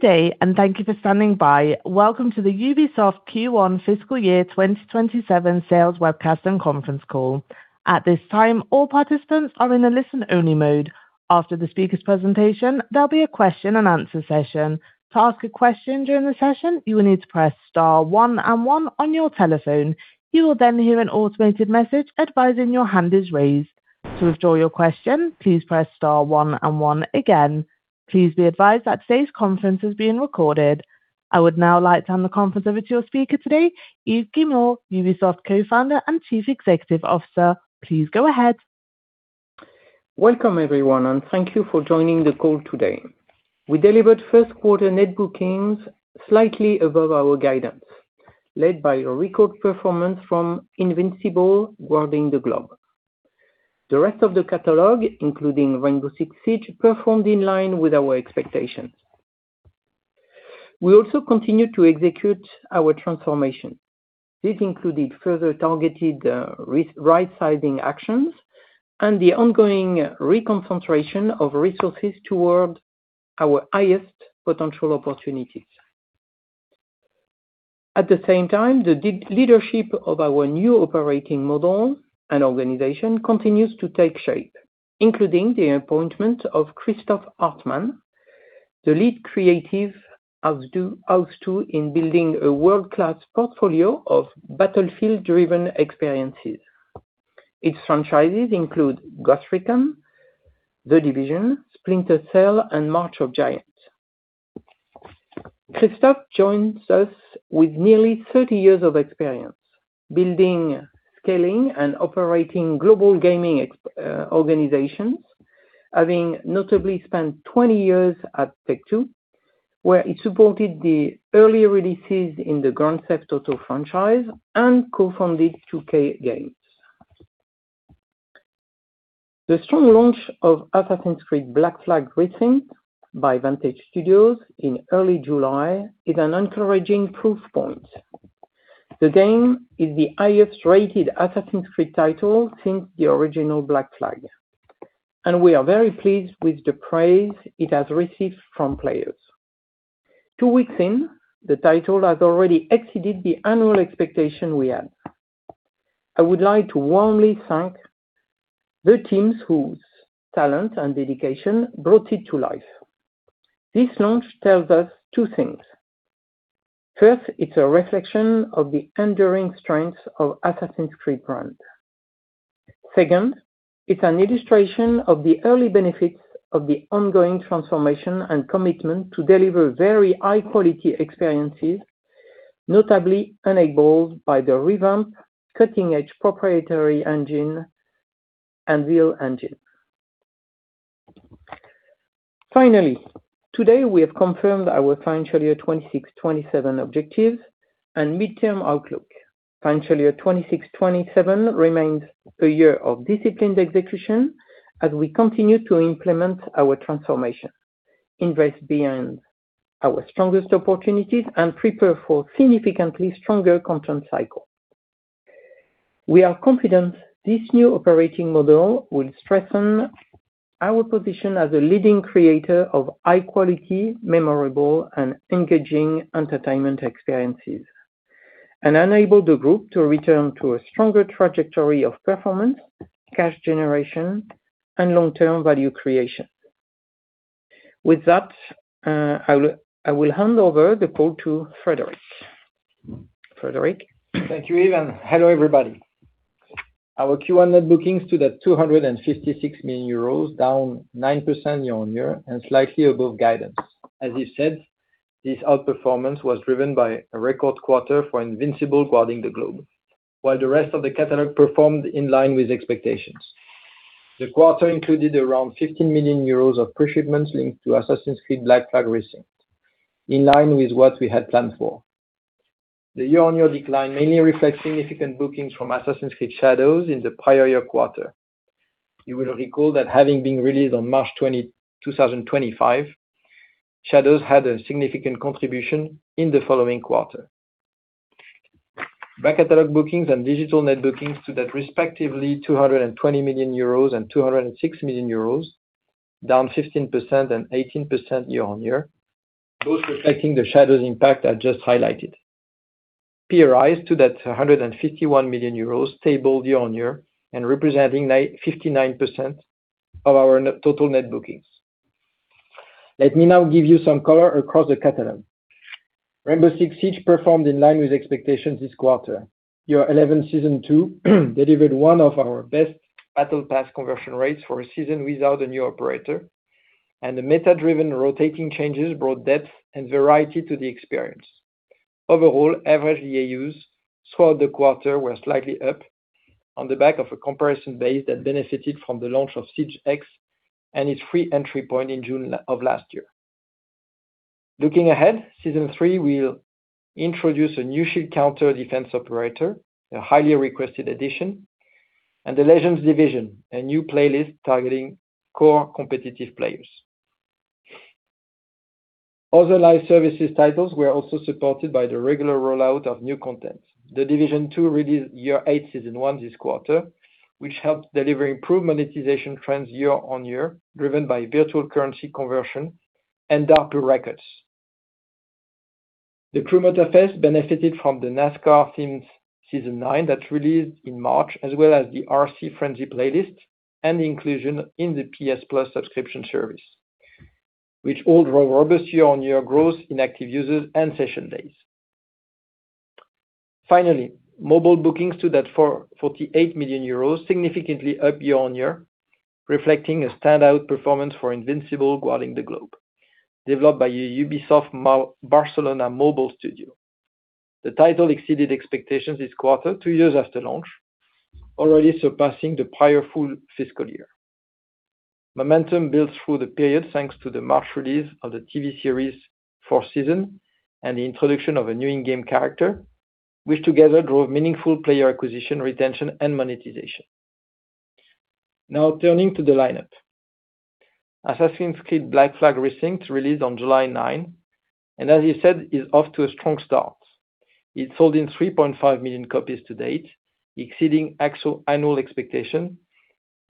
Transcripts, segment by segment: Good day. Thank you for standing by. Welcome to the Ubisoft Q1 fiscal year 2027 sales webcast and conference call. At this time, all participants are in a listen-only mode. After the speaker's presentation, there'll be a question and answer session. To ask a question during the session, you will need to press star one and one on your telephone. You will then hear an automated message advising your hand is raised. To withdraw your question, please press star one and one again. Please be advised that today's conference is being recorded. I would now like to hand the conference over to your speaker today, Yves Guillemot, Ubisoft Co-Founder and Chief Executive Officer. Please go ahead. Welcome, everyone. Thank you for joining the call today. We delivered first quarter net bookings slightly above our guidance, led by a record performance from "Invincible: Guarding the Globe." The rest of the catalog, including "Rainbow Six Siege," performed in line with our expectations. We also continue to execute our transformation. This included further targeted right-sizing actions and the ongoing reconcentration of resources towards our highest potential opportunities. At the same time, the leadership of our new operating model and organization continues to take shape, including the appointment of Christoph Hartmann, the lead Creative House 2 in building a world-class portfolio of battlefield-driven experiences. Its franchises include "Ghost Recon," "The Division," "Splinter Cell," and "March of Giants." Christoph joins us with nearly 30 years of experience building, scaling, and operating global gaming organizations, having notably spent 20 years at Take-Two, where he supported the early releases in the "Grand Theft Auto" franchise and co-founded 2K Games. The strong launch of "Assassin's Creed Black Flag Resynced" by Vantage Studios in early July is an encouraging proof point. The game is the highest-rated Assassin's Creed title since the original Black Flag, and we are very pleased with the praise it has received from players. Two weeks in, the title has already exceeded the annual expectation we had. I would like to warmly thank the teams whose talent and dedication brought it to life. This launch tells us two things. First, it's a reflection of the enduring strength of Assassin's Creed brand. Second, it's an illustration of the early benefits of the ongoing transformation and commitment to deliver very high-quality experiences, notably enabled by the revamped cutting-edge proprietary Anvil engine. Finally, today we have confirmed our financial year 2026, 2027 objectives and midterm outlook. Financial year 2026, 2027 remains a year of disciplined execution as we continue to implement our transformation, invest beyond our strongest opportunities, and prepare for significantly stronger content cycle. We are confident this new operating model will strengthen our position as a leading creator of high-quality, memorable, and engaging entertainment experiences and enable the group to return to a stronger trajectory of performance, cash generation, and long-term value creation. With that, I will hand over the call to Frédérick. Frédérick? Thank you, Yves, and hello, everybody. Our Q1 net bookings stood at 256 million euros, down 9% year-over-year and slightly above guidance. As Yves said, this outperformance was driven by a record quarter for Invincible: Guarding the Globe, while the rest of the catalog performed in line with expectations. The quarter included around 15 million euros of pre-shipments linked to Assassin's Creed Black Flag Resynced, in line with what we had planned for. The year-over-year decline mainly reflects significant bookings from Assassin's Creed Shadows in the prior year quarter. You will recall that having been released on March 20, 2025, Shadows had a significant contribution in the following quarter. Back catalog bookings and digital net bookings stood at respectively 220 million euros and 206 million euros, down 15% and 18% year-over-year, both reflecting the Shadows impact I just highlighted. PRIs stood at EUR 151 million, stable year-over-year, and representing 59% of our total net bookings. Let me now give you some color across the catalog. Rainbow Six Siege performed in line with expectations this quarter. Year 11 Season 2 delivered one of our best battle pass conversion rates for a season without a new operator, and the meta-driven rotating changes brought depth and variety to the experience. Overall, average DAUs throughout the quarter were slightly up on the back of a comparison base that benefited from the launch of Siege X and its free entry point in June of last year. Season 3 will introduce a new shield counter defense operator, a highly requested addition, and the Legends Division, a new playlist targeting core competitive players. Other live services titles were also supported by the regular rollout of new content. The Division 2 released Year 8 Season 1 this quarter, which helped deliver improved monetization trends year-over-year, driven by virtual currency conversion and DARPU records. The Crew Motorfest benefited from the NASCAR themes Season 9 that released in March, as well as the RC Frenzy playlist and inclusion in the PS Plus subscription service, which all drove robust year-over-year growth in active users and session days. Finally, mobile bookings stood at 48 million euros, significantly up year-on-year, reflecting a standout performance for Invincible: Guarding the Globe, developed by Ubisoft Barcelona Mobile studio. The title exceeded expectations this quarter, two years after launch, already surpassing the prior full fiscal year. Momentum built through the period thanks to the March release of the TV series fourth season and the introduction of a new in-game character, which together drove meaningful player acquisition, retention, and monetization. Turning to the lineup. Assassin's Creed Black Flag Resynced released on July 9, as we said, is off to a strong start. It's sold in 3.5 million copies to date, exceeding actual annual expectation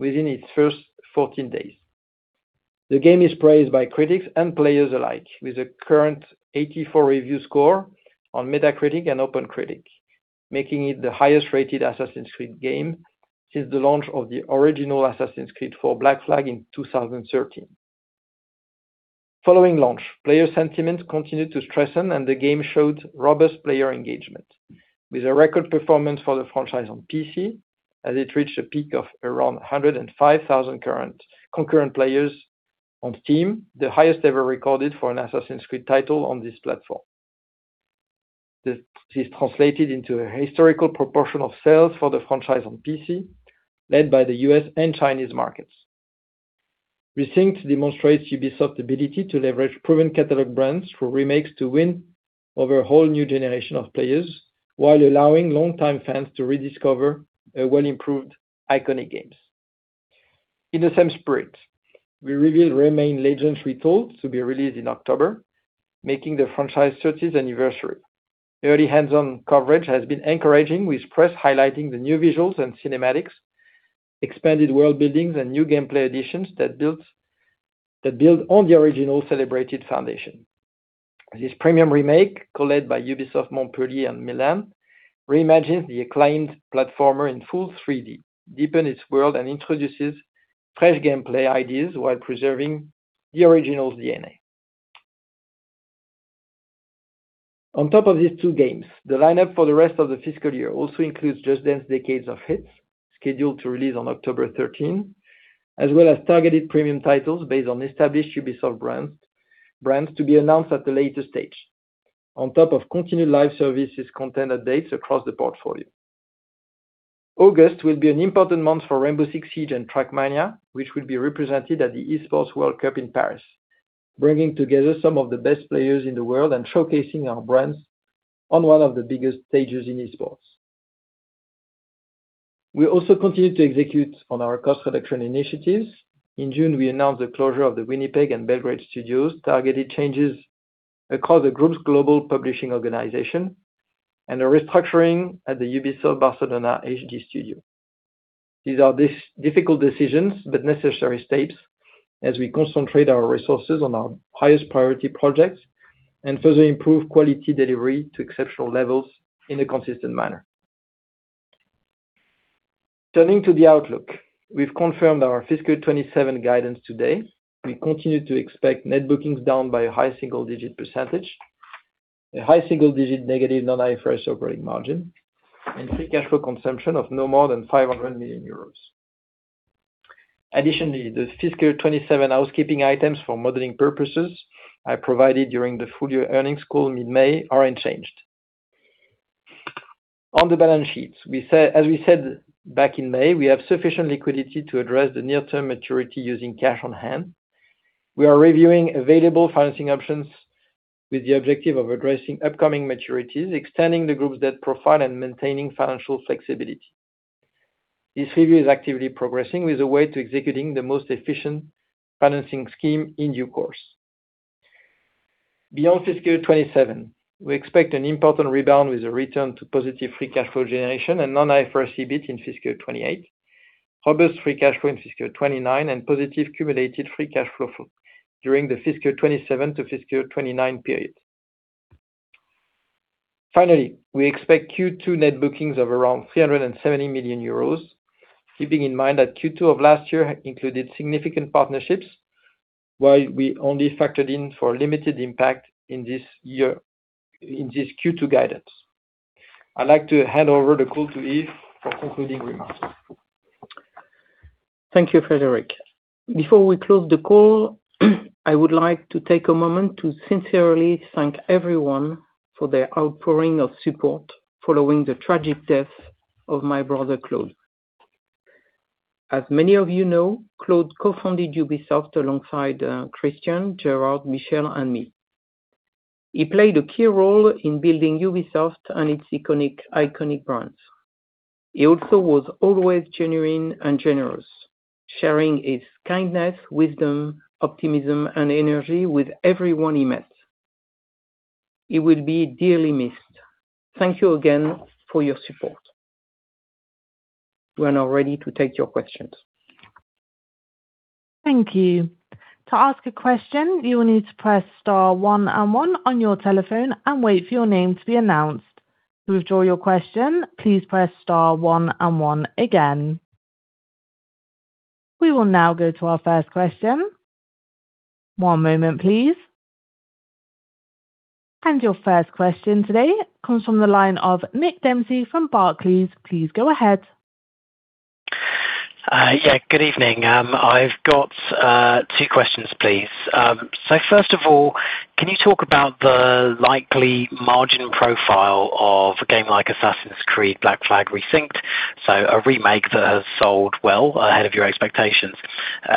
within its first 14 days. The game is praised by critics and players alike, with a current 84 review score on Metacritic and OpenCritic, making it the highest-rated Assassin's Creed game since the launch of the original Assassin's Creed IV: Black Flag in 2013. Following launch, player sentiment continued to strengthen and the game showed robust player engagement with a record performance for the franchise on PC, as it reached a peak of around 105,000 concurrent players on Steam, the highest ever recorded for an Assassin's Creed title on this platform. This is translated into a historical proportion of sales for the franchise on PC, led by the U.S. and Chinese markets. Resynced demonstrates Ubisoft's ability to leverage proven catalog brands through remakes to win over a whole new generation of players while allowing longtime fans to rediscover well-improved iconic games. In the same spirit, we reveal Rayman Legends Retold to be released in October, marking the franchise 30th anniversary. Early hands-on coverage has been encouraging, with press highlighting the new visuals and cinematics, expanded world-buildings, and new gameplay additions that build on the original celebrated foundation. This premium remake, co-led by Ubisoft Montpellier and Milan, reimagines the acclaimed platformer in full 3D, deepens its world, and introduces fresh gameplay ideas while preserving the original DNA. On top of these two games, the lineup for the rest of the fiscal year also includes Just Dance: Decades of Hits, scheduled to release on October 13, as well as targeted premium titles based on established Ubisoft brands to be announced at a later stage. On top of continued live services content updates across the portfolio. August will be an important month for Rainbow Six Siege and Trackmania, which will be represented at the Esports World Cup in Paris, bringing together some of the best players in the world and showcasing our brands on one of the biggest stages in esports. We also continue to execute on our cost reduction initiatives. In June, we announced the closure of the Winnipeg and Belgrade studios, targeted changes across the group's global publishing organization, and a restructuring at the Ubisoft Barcelona HD studio. These are difficult decisions, but necessary steps as we concentrate our resources on our highest priority projects and further improve quality delivery to exceptional levels in a consistent manner. Turning to the outlook. We've confirmed our fiscal 2027 guidance today. We continue to expect net bookings down by a high single-digit percentage, a high single-digit negative non-IFRS operating margin, and free cash flow consumption of no more than 500 million euros. Additionally, the fiscal 2027 housekeeping items for modeling purposes I provided during the full year earnings call in May are unchanged. On the balance sheet, as we said back in May, we have sufficient liquidity to address the near-term maturity using cash on-hand. We are reviewing available financing options with the objective of addressing upcoming maturities, extending the group's debt profile, and maintaining financial flexibility. This review is actively progressing with a way to executing the most efficient financing scheme in due course. Beyond fiscal 2027, we expect an important rebound with a return to positive free cash flow generation and non-IFRS EBIT in fiscal 2028, robust free cash flow in fiscal 2029, and positive cumulated free cash flow during the fiscal 2027 to fiscal 2029 period. Finally, we expect Q2 net bookings of around 370 million euros. Keeping in mind that Q2 of last year included significant partnerships, while we only factored in for limited impact in this Q2 guidance. I'd like to hand over the call to Yves for concluding remarks. Thank you, Frédérick. Before we close the call, I would like to take a moment to sincerely thank everyone for their outpouring of support following the tragic death of my brother, Claude. As many of you know, Claude co-founded Ubisoft alongside Christian, Gérard, Michel, and me. He played a key role in building Ubisoft and its iconic brands. He also was always genuine and generous, sharing his kindness, wisdom, optimism, and energy with everyone he met. He will be dearly missed. Thank you again for your support. We are now ready to take your questions. Thank you. To ask a question, you will need to press star one and one on your telephone and wait for your name to be announced. To withdraw your question, please press star one and one again. We will now go to our first question. One moment, please. And your first question today comes from the line of Nick Dempsey from Barclays. Please go ahead. Yeah. Good evening. I've got two questions, please. First of all, can you talk about the likely margin profile of a game like Assassin's Creed Black Flag Resynced, so a remake that has sold well ahead of your expectations.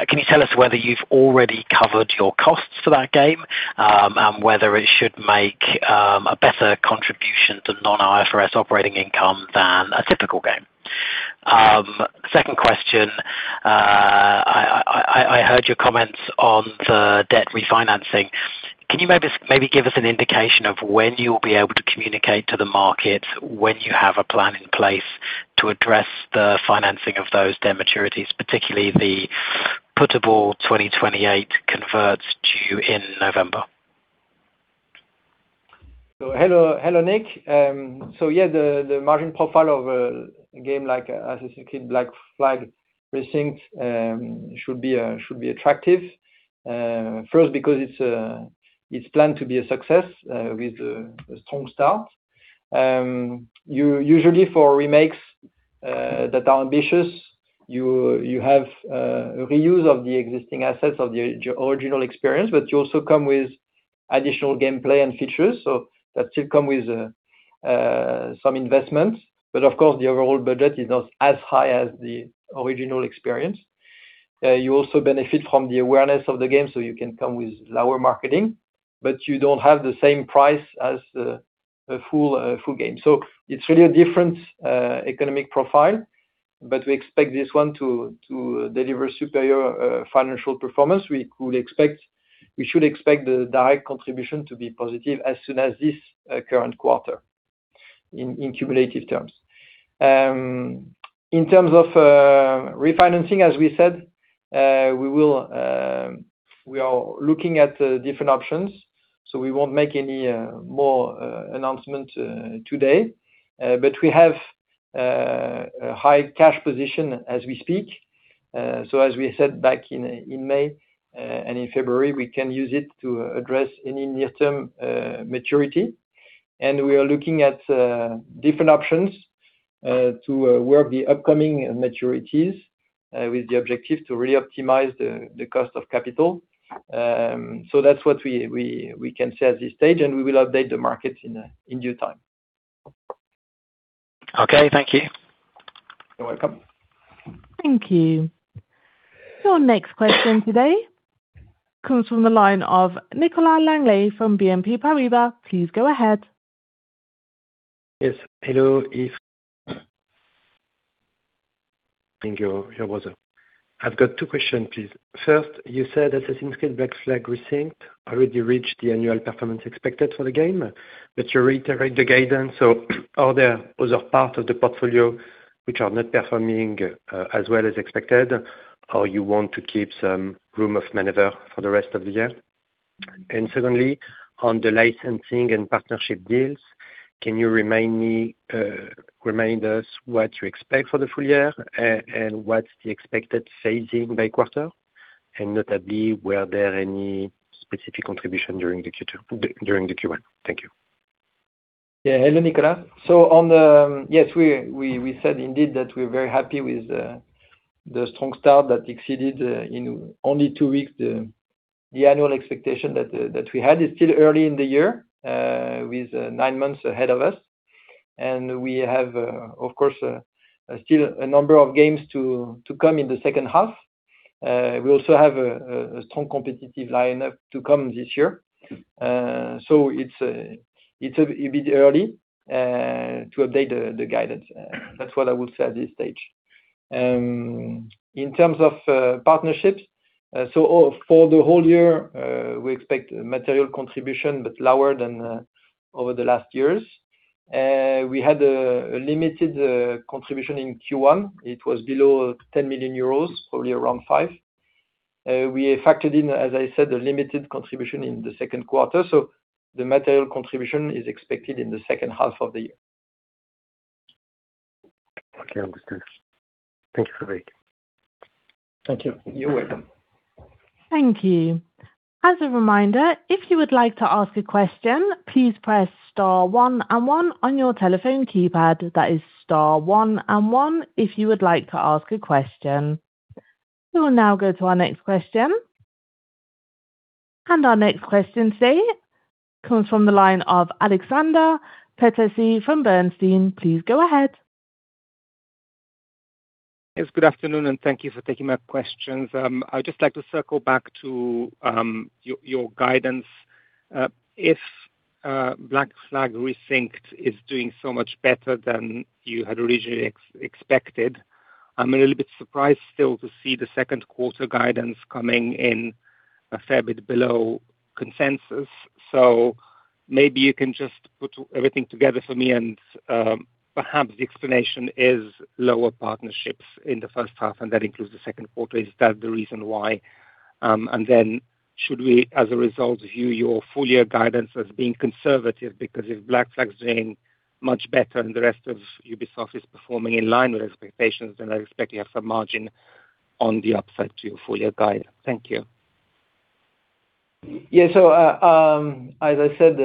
Can you tell us whether you've already covered your costs for that game, and whether it should make a better contribution to non-IFRS operating income than a typical game? Second question, I heard your comments on the debt refinancing. Can you maybe give us an indication of when you will be able to communicate to the market when you have a plan in place to address the financing of those debt maturities, particularly the putable 2028 converts due in November? Hello, Nick. Yeah, the margin profile of a game like Assassin's Creed Black Flag Resynced should be attractive. First, because it's planned to be a success, with a strong start. Usually for remakes that are ambitious, you have reuse of the existing assets of the original experience, but you also come with additional gameplay and features, so that still come with some investments. Of course, the overall budget is not as high as the original experience. You also benefit from the awareness of the game, so you can come with lower marketing, but you don't have the same price as a full game. It's really a different economic profile. We expect this one to deliver superior financial performance. We should expect the direct contribution to be positive as soon as this current quarter in cumulative terms. In terms of refinancing, as we said, we are looking at the different options. We won't make any more announcement today. We have a high cash position as we speak. As we said back in May and in February, we can use it to address any near-term maturity. We are looking at different options to work the upcoming maturities with the objective to re-optimize the cost of capital. That's what we can say at this stage, and we will update the market in due time. Okay. Thank you. You're welcome. Thank you. Your next question today comes from the line of Nicolas Langlet from BNP Paribas. Please go ahead. Yes. Hello, Yves. Thank you. I've got two questions, please. First, you said "Assassin's Creed Black Flag Resynced" already reached the annual performance expected for the game, but you reiterate the guidance. Are there other parts of the portfolio which are not performing as well as expected, or you want to keep some room of maneuver for the rest of the year? Secondly, on the licensing and partnership deals, can you remind us what you expect for the full year, and what's the expected phasing by quarter? Notably, were there any specific contribution during the Q1? Thank you. Yeah. Hello, Nicolas. Yes, we said indeed that we're very happy with the strong start that exceeded, in only two weeks, the annual expectation that we had. It's still early in the year, with nine months ahead of us. We have, of course, still a number of games to come in the second half. We also have a strong competitive lineup to come this year. It's a bit early to update the guidance. That's what I would say at this stage. In terms of partnerships, for the whole year, we expect material contribution, but lower than over the last years. We had a limited contribution in Q1. It was below 10 million euros, probably around 5 million. We factored in, as I said, a limited contribution in the second quarter, the material contribution is expected in the second half of the year. Okay. Understood. Thank you for the update. Thank you. You're welcome. Thank you. As a reminder, if you would like to ask a question, please press star one and one on your telephone keypad. That is star one and one if you would like to ask a question. We will now go to our next question. Our next question today comes from the line of Alexander Peterc from Bernstein. Please go ahead. Yes. Good afternoon, thank you for taking my questions. I would just like to circle back to your guidance. If Black Flag Resynced is doing so much better than you had originally expected, I'm a little bit surprised still to see the second quarter guidance coming in a fair bit below consensus. Maybe you can just put everything together for me, perhaps the explanation is lower partnerships in the first half, and that includes the second quarter. Is that the reason why? Should we, as a result, view your full-year guidance as being conservative? If Black Flag is doing much better and the rest of Ubisoft is performing in line with expectations, then I expect you have some margin on the upside to your full-year guide. Thank you. Yeah. As I said,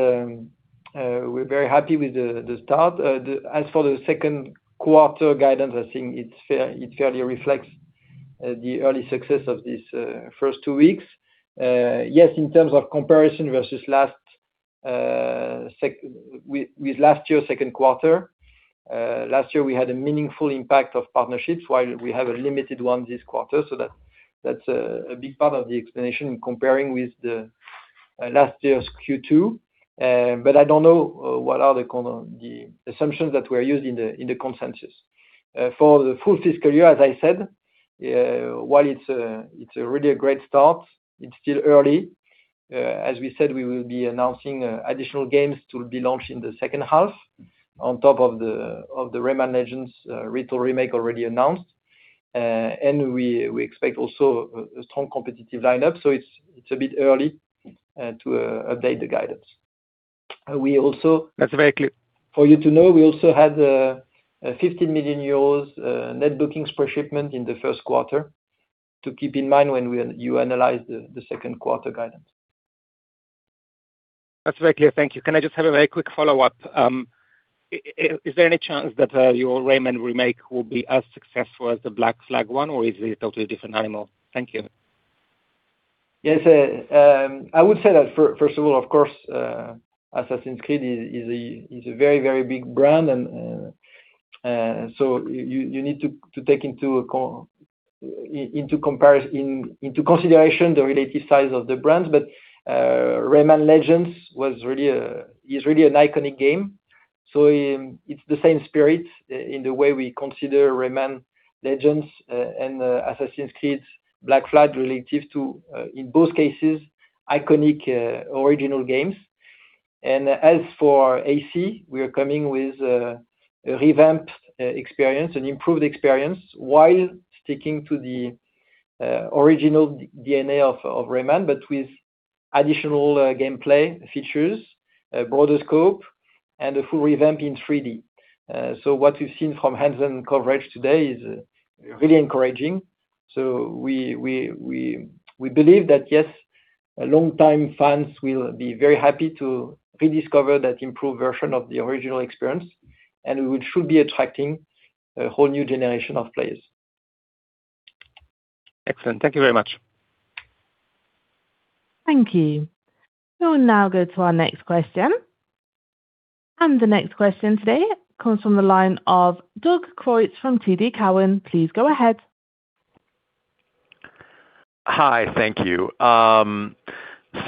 we're very happy with the start. As for the second quarter guidance, I think it fairly reflects the early success of these first two weeks. Yes, in terms of comparison with last year's second quarter, last year we had a meaningful impact of partnerships while we have a limited one this quarter. That's a big part of the explanation in comparing with the last year's Q2. I don't know what are the assumptions that were used in the consensus. For the full fiscal year, as I said, while it's really a great start, it's still early. As we said, we will be announcing additional games to be launched in the second half on top of the Rayman Legends Retold already announced. We expect also a strong competitive lineup. It's a bit early to update the guidance. That's very clear. For you to know, we also had a 15 million euros net bookings per shipment in the first quarter to keep in mind when you analyze the second quarter guidance. That's very clear. Thank you. Can I just have a very quick follow-up? Is there any chance that your Rayman remake will be as successful as the Black Flag one, is it a totally different animal? Thank you. Yes. I would say that, first of all, of course, Assassin's Creed is a very, very big brand. You need to take into consideration the relative size of the brands. Rayman Legends is really an iconic game. It's the same spirit in the way we consider Rayman Legends and Assassin's Creed: Black Flag relative to, in both cases, iconic, original games. As for AC, we are coming with a revamped experience, an improved experience, while sticking to the original DNA of Rayman, with additional gameplay features, a broader scope, and a full revamp in 3D. What we've seen from hands-on coverage today is really encouraging. We believe that yes, longtime fans will be very happy to rediscover that improved version of the original experience, and we should be attracting a whole new generation of players. Excellent. Thank you very much. Thank you. We'll now go to our next question. The next question today comes from the line of Doug Creutz from TD Cowen. Please go ahead. Hi. Thank you.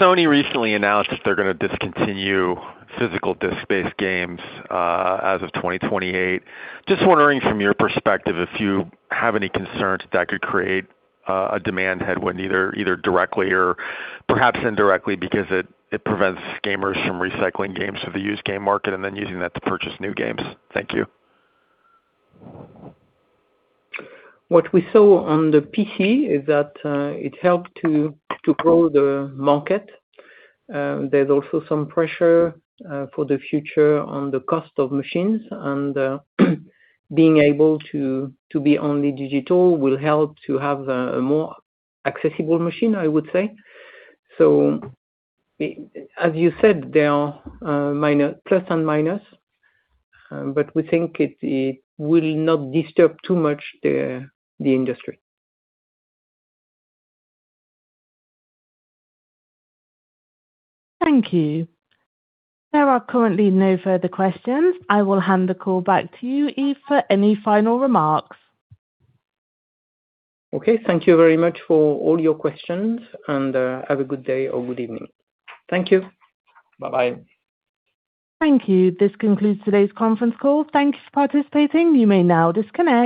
Sony recently announced that they're going to discontinue physical disc-based games as of 2028. Just wondering from your perspective if you have any concerns that that could create a demand headwind, either directly or perhaps indirectly, because it prevents gamers from recycling games to the used game market and then using that to purchase new games. Thank you. What we saw on the PC is that it helped to grow the market. There's also some pressure for the future on the cost of machines, being able to be only digital will help to have a more accessible machine, I would say. As you said, there are plus and minus, but we think it will not disturb too much the industry. Thank you. There are currently no further questions. I will hand the call back to you, Yves, for any final remarks. Okay. Thank you very much for all your questions, and have a good day or good evening. Thank you. Bye-bye. Thank you. This concludes today's conference call. Thank you for participating. You may now disconnect.